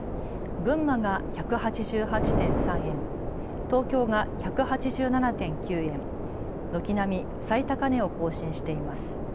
群馬が１８８．３円、東京が１８７．９円、軒並み最高値を更新しています。